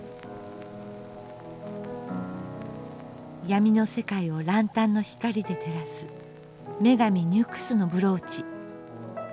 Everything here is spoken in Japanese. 闇の世界を角灯の光で照らす女神ニュクスのブローチ。